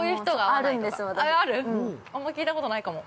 ◆あんまり聞いたことないかも。